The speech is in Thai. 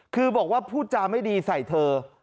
คือบอกว่าพูดจาไม่ดีใส่เธอ